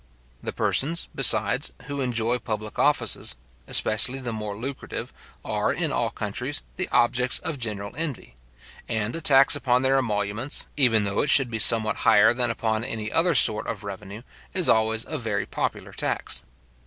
The persons, besides, who enjoy public offices, especially the more lucrative, are, in all countries, the objects of general envy; and a tax upon their emoluments, even though it should be somewhat higher than upon any other sort of revenue, is always a very popular tax.